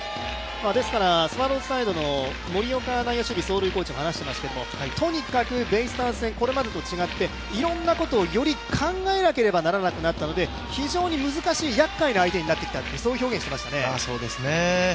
ですから、スワローズサイドの森岡内野守備コーチも話していましたが、とにかくベイスターズ戦、これまでと違っていろいろなことをより考えなければならなくなったので、非常に難しい、やっかいな相手になってきたという表現をしていましたね。